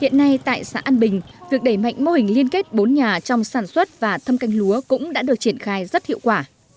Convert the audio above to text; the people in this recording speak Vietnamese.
hiện nay tại xã an bình việc đẩy mạnh mô hình liên kết bốn nhà trong sản xuất và thâm canh lúa cũng đã được triển khai rất hiệu quả